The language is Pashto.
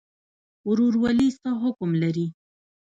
ورورولي څه حکم لري؟